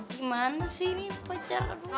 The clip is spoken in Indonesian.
gimana sih ini pacaran lo